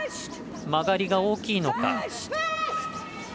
曲がりが大きいのか。